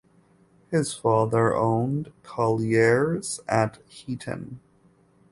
His father owned collieries at Heaton.